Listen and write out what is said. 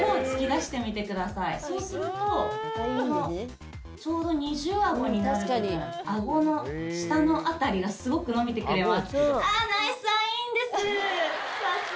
そうするとこのちょうど二重アゴになる部分アゴの下の辺りがすごく伸びてくれます。